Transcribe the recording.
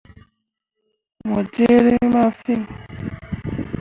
Mo jerre rĩĩ ma fîi.